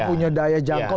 punya daya jangkau